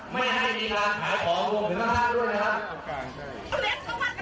ไม่ให้มีการหาของบุคคลมากด้วยนะครับ